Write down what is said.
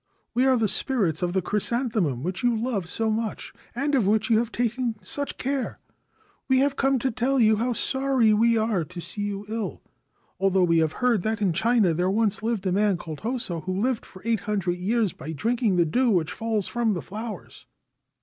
We are the spirits of the chrysanthemum which you love so much, and of which you have taken such care. We have come to tell you how sorry we are to see you so ill, although we have heard that in China there once lived a man called Hoso who lived for 800 years by drinking the dew which falls from the flowers.